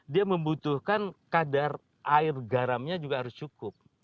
dia membutuhkan kadar air garamnya juga harus cukup